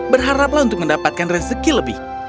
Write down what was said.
berharaplah untuk mendapatkan rezeki lebih